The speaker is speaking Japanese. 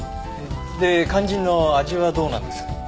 で肝心の味はどうなんです？